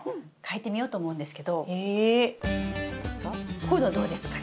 こういうのどうですかね？